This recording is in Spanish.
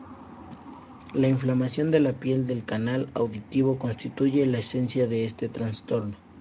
La inflamación de la piel del canal auditivo constituye la esencia de este trastorno.